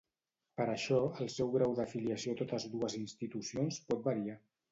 Per això, el seu grau d'afiliació a totes dues institucions pot variar.